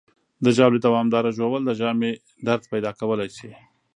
د ژاولې دوامداره ژوول د ژامې درد پیدا کولی شي.